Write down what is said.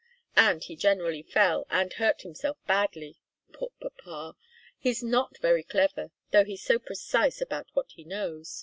And he generally fell, and hurt himself badly poor papa! He's not very clever, though he's so precise about what he knows.